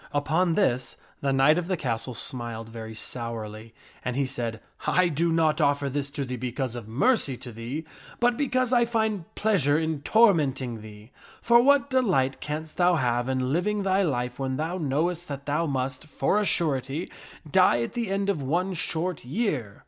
Upon this the knight of the castle smiled very sourly, and he said, " I do not offer this to thee because of mercy to thee, but because I find pleasure in tor menting thee. For what delight canst thou have in living thy life when thou knowest that thou must, for a surety, die at the end of one short year